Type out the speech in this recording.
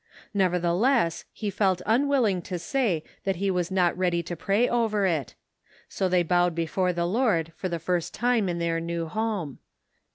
Nevertheless, he felt unwilling to say that he was not ready to pray over it ; so they bowed before the Lord for the first time in their new home.